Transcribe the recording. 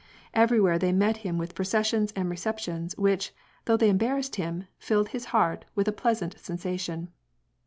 Everywhere they met him with pro cessions and receptions, which, though they embarrassed him, filled his heart with a pleasant sensation.